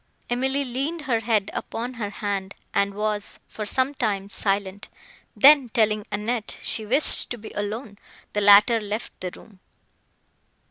Emily leaned her head upon her hand, and was, for some time, silent; then, telling Annette she wished to be alone, the latter left the room.